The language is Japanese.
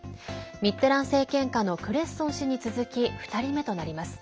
ミッテラン政権下のクレッソン氏に続き２人目となります。